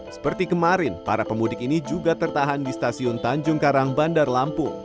seperti kemarin para pemudik ini juga tertahan di stasiun tanjung karang bandar lampung